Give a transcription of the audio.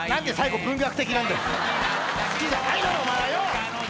好きじゃないだろお前はよ。